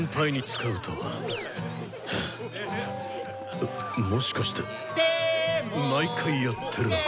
あもしかして毎回やってるのか？